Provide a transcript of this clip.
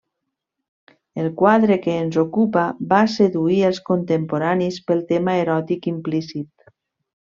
El quadre que ens ocupa va seduir els contemporanis pel tema eròtic implícit.